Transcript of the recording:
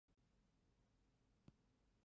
圣格雷瓜尔人口变化图示